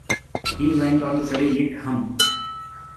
He went on to study Lit.Hum.